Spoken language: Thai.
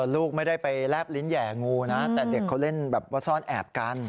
ลูกไม่ได้ไปแลบลิ้นแห่งูนะแต่เด็กเขาเล่นแบบว่าซ่อนแอบกัน